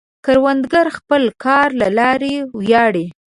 کروندګر د خپل کار له لارې ویاړي